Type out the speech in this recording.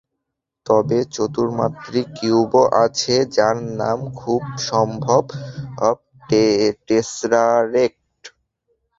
তবে চতুর্মাত্রিক কিউবও আছে, যার নাম খুব সম্ভব টেস্যারেক্ট।